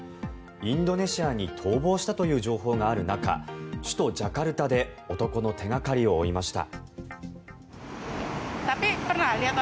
インドネシアに逃亡したという情報がある中首都ジャカルタで男の手掛かりを追いました。